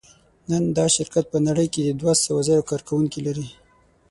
نن دا شرکت په نړۍ کې دوهسوهزره کارکوونکي لري.